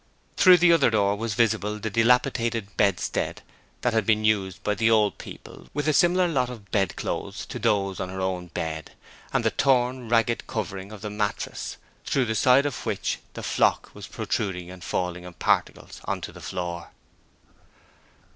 Through the other door was visible the dilapidated bedstead that had been used by the old people, with a similar lot of bedclothes to those on her own bed, and the torn, ragged covering of the mattress through the side of which the flock was protruding and falling in particles on to the floor.